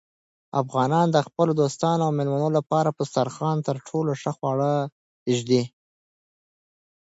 افغانان د خپلو دوستانو او مېلمنو لپاره په دسترخوان تر ټولو ښه خواړه ایږدي.